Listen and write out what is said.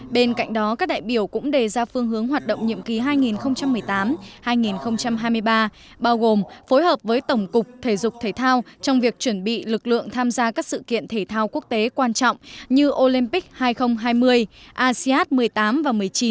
bên cạnh đó các đại biểu cũng đề ra phương hướng hoạt động nhiệm kỳ hai nghìn một mươi tám hai nghìn hai mươi ba bao gồm phối hợp với tổng cục thể dục thể thao trong việc chuẩn bị lực lượng tham gia các sự kiện thể thao quốc tế quan trọng như olympic hai nghìn hai mươi asean một mươi tám và một mươi chín